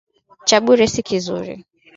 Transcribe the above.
Cha bure si kizuri